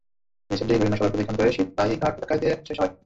মিছিলটি বিভিন্ন সড়ক প্রদক্ষিণ করে শিতলাই ঘাট এলাকায় গিয়ে শেষ হয়।